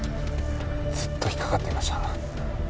ずっと引っかかってました。